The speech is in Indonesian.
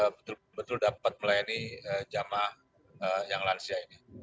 betul betul dapat melayani jamaah yang lansia ini